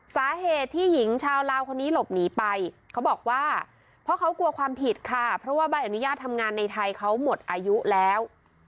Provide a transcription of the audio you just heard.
สาเหตุที่หญิงชาวลาวคนนี้หลบหนีไปเขาบอกว่าเพราะเขากลัวความผิดค่ะเพราะว่าใบอนุญาตทำงานในไทยเขาหมดอายุแล้ว